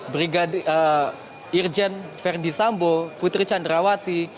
brigadir irjen verdi sambo putri candrawati